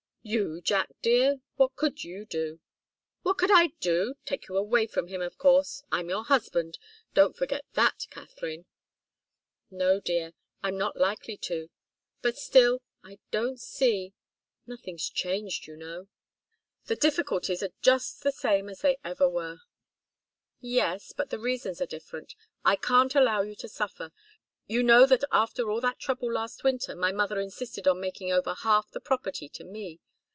"You, Jack dear? What could you do?" "What could I do? Take you away from him, of course. I'm your husband. Don't forget that, Katharine." "No, dear I'm not likely to. But still I don't see nothing's changed, you know. The difficulties are just the same as they ever were." "Yes. But the reasons are different. I can't allow you to suffer. You know that after all that trouble last winter my mother insisted on making over half the property to me.